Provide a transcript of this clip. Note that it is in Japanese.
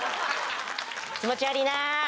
気持ち悪ぃな！